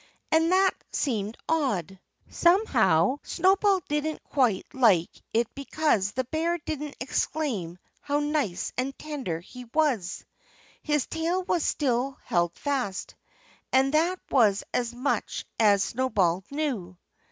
And that seemed odd. Somehow Snowball didn't quite like it because the bear didn't exclaim how nice and tender he was. His tail was still held fast. And that was as much as Snowball knew.